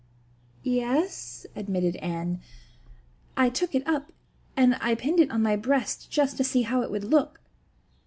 "Y e e s," admitted Anne, "I took it up and I pinned it on my breast just to see how it would look."